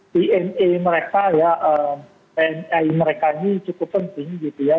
dna mereka ya tni mereka ini cukup penting gitu ya